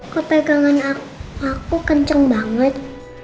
kok pegangan aku kenceng banget